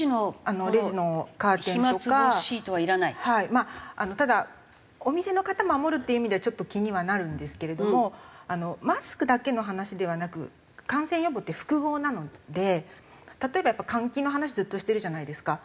まあただお店の方守るっていう意味ではちょっと気にはなるんですけれどもマスクだけの話ではなく感染予防って複合なので例えばやっぱ換気の話ずっとしてるじゃないですか。